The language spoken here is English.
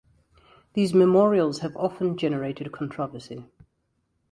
These memorials have often generated controversy.